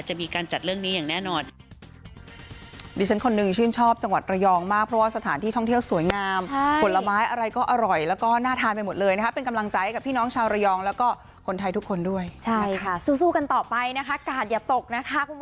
จะมีการจัดเรื่องนี้อย่างแน่นอน